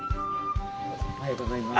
おはようございます。